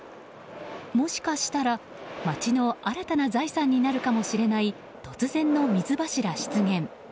もしかしたら、街の新たな財産になるかもしれない突然の水柱出現。